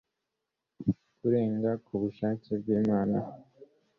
kurenga ku bushake bw'imana